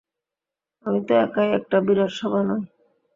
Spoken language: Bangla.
আমি তো একাই একটা বিরাট সভা নই।